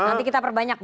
nanti kita perbanyak bang